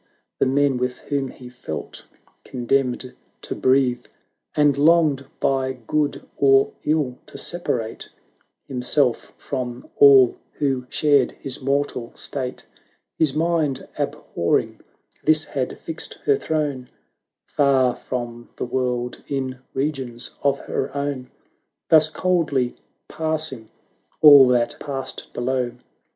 The men with whom he felt condemned to breathe, And longed by good or ill to separate Himself from all who shared his mortal state; His mind abhorring this had fixed her throne Far from the world, in regions of her own: 350 Thus coldly passing all that passed below.